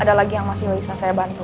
ada lagi yang masih bisa saya bantu